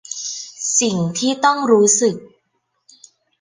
สิ่งที่ต้องรู้สึก